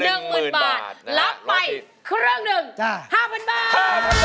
๑หมื่นบาทรับใหม่เครื่องหนึ่ง๕หมื่นบาท